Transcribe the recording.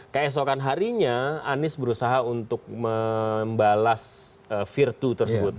keesokan harinya anies berusaha untuk membalas virtu tersebut